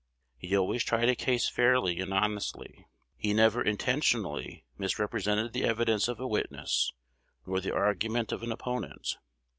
He always tried a case fairly and honestly. He never intentionally misrepresented the evidence of a witness, nor the argument of an opponent.